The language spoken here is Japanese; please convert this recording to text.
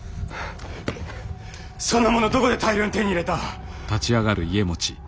そんなものをどこで大量に手に入れた？